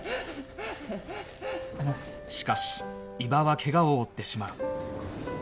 しかし伊庭は怪我を負ってしまう